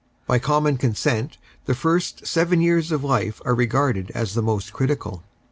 By common consent the first seven years of life are regarded as the most critical.